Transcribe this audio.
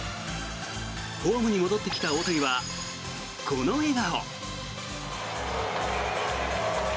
ホームに戻ってきた大谷はこの笑顔。